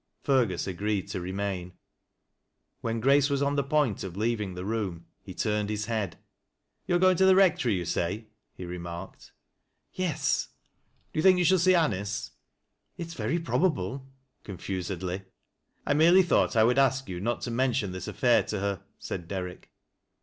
Fergus agreed to remain. When Grace was on Ibt point of leaving the room, he turned his head. " You are going to tlie Kectory, you say ?" he re marked. « Yes. "" Do you ^hink you shall see Aa'ce ?" THK WAGER On BATTLE. 77 " It IB 7ery probable," confusedly. " I merely tliougbfc I would ask you not to mention this affair to her," said Derrick.